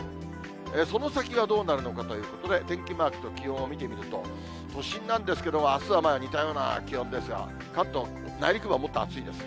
その先がどうなるのかというと、これ、天気マークと気温を見てみると、都心なんですけども、あすはまあ似たような気温ですが、関東、内陸部はもっと暑いです。